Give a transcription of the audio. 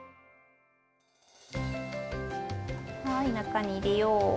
はい中に入れよう。